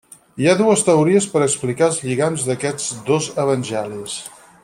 Hi ha dues teories per explicar els lligams d'aquests dos evangelis.